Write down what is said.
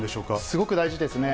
すごく大事ですね。